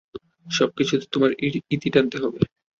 সবকিছুতে তোমায় ইতি টানতে হবে।